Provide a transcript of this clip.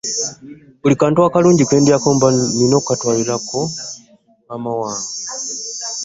Buli kantu akalungi ke ndayko mbeera nnina okukatwalirako maama wange.